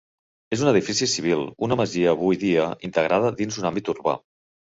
És un edifici civil, una masia avui dia integrada dins un àmbit urbà.